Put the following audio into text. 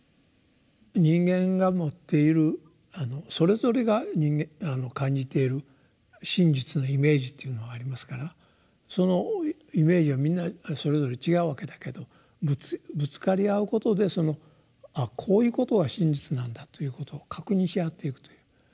人間が持っているそれぞれが感じている真実のイメージっていうのはありますからそのイメージはみんなそれぞれ違うわけだけどぶつかり合うことで「ああこういうことが真実なんだ」ということを確認し合っていくという。